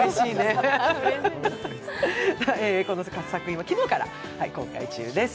この作品は昨日から公開中です。